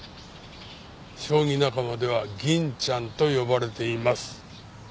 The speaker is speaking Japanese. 将棋仲間には銀ちゃんと呼ばれています。